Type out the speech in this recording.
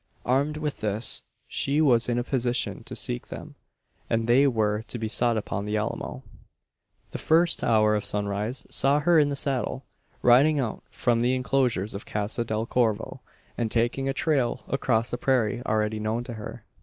Armed with this, she was in a position to seek them; and they were to be sought upon the Alamo. The first hour of sunrise saw her in the saddle, riding out from the enclosures of Casa del Corvo, and taking a trail across the prairie already known to her.